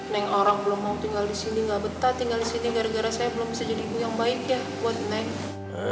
neng orang belum mau tinggal di sini nggak betah tinggal di sini gara gara saya belum bisa jadi ibu yang baik ya buat neng